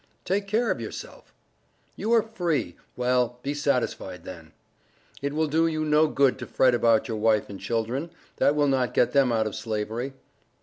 "Take care of yourself." "You are free, well, be satisfied then." "It will do you no good to fret about your wife and children; that will not get them out of Slavery."